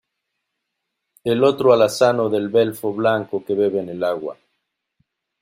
el otro alazano del belfo blanco que bebe en el agua.